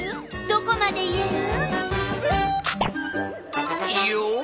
どこまで言える？